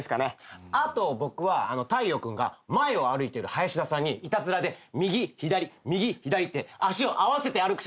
あと僕は大陽君が前を歩いてる林田さんにいたずらで右左右左って足を合わせて歩くシーン。